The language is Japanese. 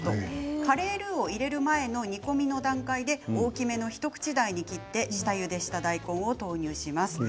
カレールーを入れる前の煮込みの段階で大きめの一口大に切って下ゆでした大根を投入します。